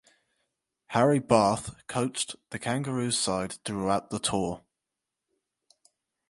Harry Bath coached the Kangaroos side throughout the tour.